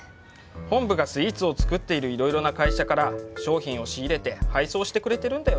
本部がスイーツを作っているいろいろな会社から商品を仕入れて配送してくれてるんだよね。